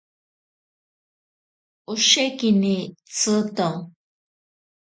Oshekini tsiito.